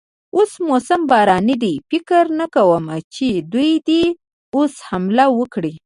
اوس موسم باراني دی، فکر نه کوم چې دوی دې اوس حمله وکړي.